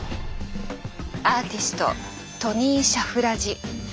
アーティストトニー・シャフラジ。